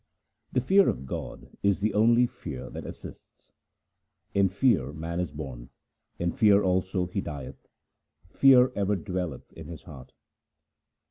182 THE SIKH RELIGION The fear of God is the only fear that assists :— In fear man is born, in fear also he dieth, fear ever dwelleth in his heart.